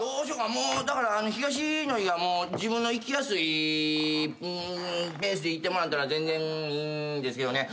もうだから東野には自分のいきやすいんペースでいってもらったら全然いいんですけどね。